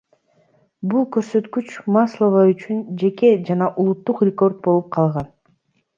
Бул көрсөткүч Маслова үчүн жеке жана улуттук рекорд болуп калган.